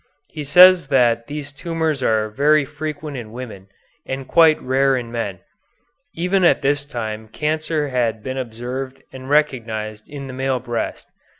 He says that these tumors are very frequent in women, and quite rare in men. Even at this time cancer had been observed and recognized in the male breast.